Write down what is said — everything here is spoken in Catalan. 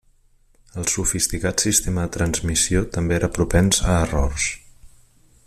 El sofisticat sistema de transmissió també era propens a errors.